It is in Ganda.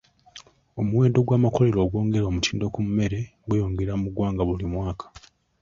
Omuwendo gw'amakolero ag'ongera omutindo ku mmere gweyongera mu ggwanga buli mwaka.